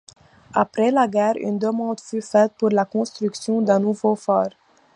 Après la guerre, une demande fut faite pour la construction d'un nouveau phare.